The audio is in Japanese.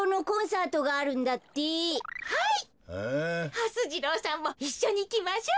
はす次郎さんもいっしょにいきましょう。